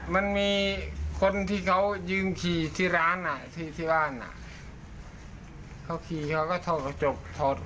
มันมีคนที่เขายืนขี่ที่ร้านอ่ะที่บ้านอ่ะเขาขี่เขาก็ถอดกระจกถอด